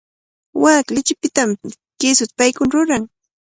Waaka lichipitami kisuta paykuna ruran.